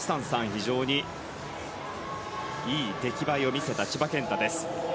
非常にいい出来栄えを見せた千葉健太です。